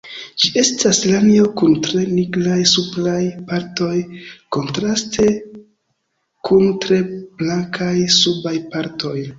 Ĝi estas lanio kun tre nigraj supraj partoj kontraste kun tre blankaj subaj partoj.